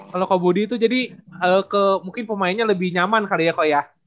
kalau koko budi tuh jadi mungkin pemainnya lebih nyaman kali ya ko ya